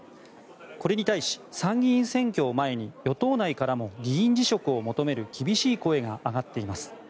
これに対し、参議院選挙を前に与党内からも議員辞職を求める厳しい声が上がっています。